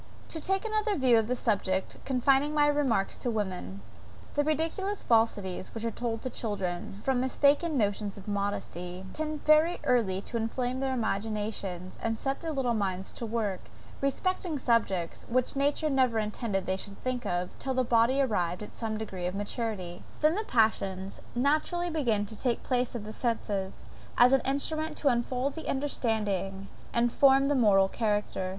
To take another view of the subject, confining my remarks to women. The ridiculous falsities which are told to children, from mistaken notions of modesty, tend very early to inflame their imaginations and set their little minds to work, respecting subjects, which nature never intended they should think of, till the body arrived at some degree of maturity; then the passions naturally begin to take place of the senses, as instruments to unfold the understanding, and form the moral character.